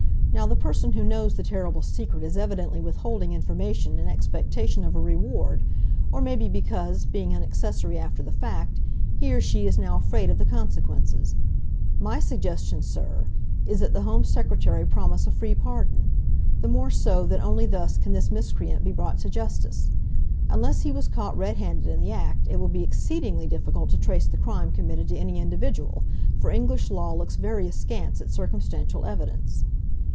Now the person who knows the terrible secret is evidently withholding information in expectation of a reward, or maybe because, being an accessory after the fact, he or she is now afraid of the consequences. My suggestion, Sir, is that the Home Secretary promise a free pardon. The more so that only thus can this miscreant be brought to justice. Unless he was caught red handed in the act, it will be exceedingly difficult to trace the crime committed to any individual, for English law looks very askance at circumstantial evidence."